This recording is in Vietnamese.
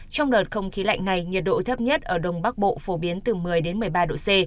trong đợt không khí lạnh này nhiệt độ thấp nhất ở đông bắc bộ phổ biến từ một mươi một mươi ba độ c